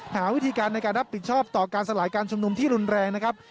หาวิธีการในการรับผิดชอบต่อการสลายการชุมนุมที่รุนแรงนะครับ